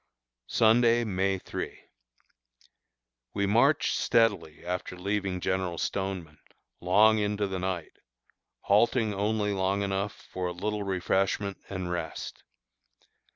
Sunday, May 3. We marched steadily after leaving General Stoneman, long into the night, halting only long enough for a little refreshment and rest.